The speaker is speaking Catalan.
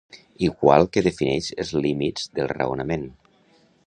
Igual que definix els límits del raonament.